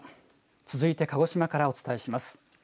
続いて鹿児島からお伝えします。